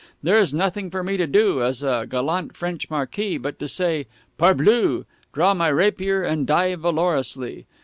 There is nothing for me to do, as a gallant French Marquis, but to say, "PARBLEU!" draw my rapier, and die valorously!